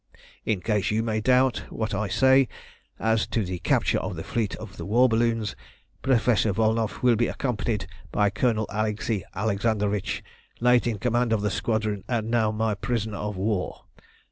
In case you may doubt what I say as to the capture of the fleet of war balloons, Professor Volnow will be accompanied by Colonel Alexei Alexandrovitch, late in command of the squadron, and now my prisoner of war.